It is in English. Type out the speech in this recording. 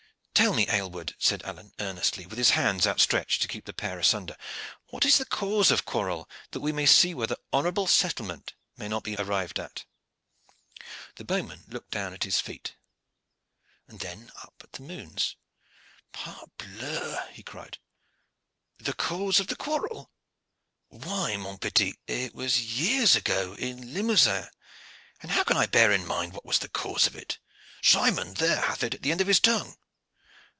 "Tell me, Aylward," said Alleyne earnestly, with his hands outstretched to keep the pair asunder, "what is the cause of quarrel, that we may see whether honorable settlement may not be arrived at?" The bowman looked down at his feet and then up at the moon. "Parbleu!" he cried, "the cause of quarrel? Why, mon petit, it was years ago in Limousin, and how can I bear in mind what was the cause of it? Simon there hath it at the end of his tongue."